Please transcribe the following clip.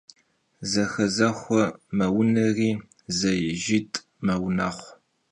Zehezexue meuneri zeijjit' meunexhu.